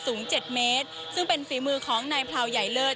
สูง๗เมตรซึ่งเป็นฝีมือของนายพราวใหญ่เลิศ